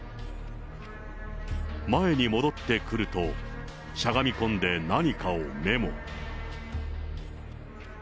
前に戻ってくると、しゃがみ込んで何かをメモ。